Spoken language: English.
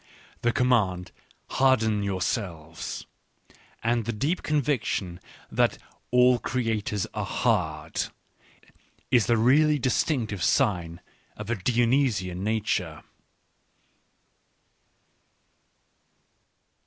The command, " Harden yourselves !" and the deep conviction that ail creators are hard, is the really distinctive sign of a Dionysian nature.